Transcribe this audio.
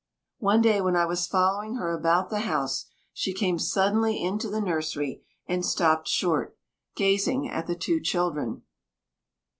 One day when I was following her about the house, she came suddenly into the nursery, and stopped short, gazing at the two children.